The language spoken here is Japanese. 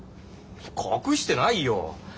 隠してないよ。